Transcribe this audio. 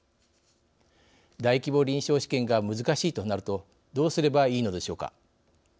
大規模臨床試験が難しいとなるとどうすればいいのでしょうか。